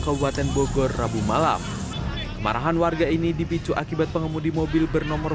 kabupaten bogor rabu malam kemarahan warga ini dipicu akibat pengemudi mobil bernomor